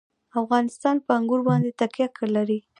افغانستان په انګور باندې تکیه لري.